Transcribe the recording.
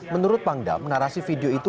menurut pangdam narasi video itu